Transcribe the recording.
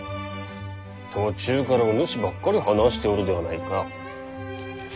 途中からお主ばっかり話しておるではないか。